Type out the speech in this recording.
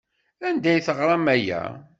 Anda ay teɣramt aya?